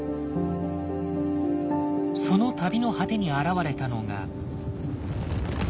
その旅の果てに現れたのが。